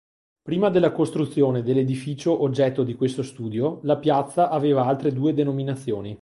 Prima della costruzione dell'edificio oggetto di questo studio, la piazza aveva altre due denominazioni.